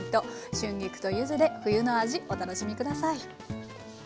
春菊と柚子で冬の味お楽しみ下さい。